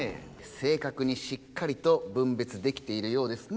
正確にしっかりと分別できているようですね。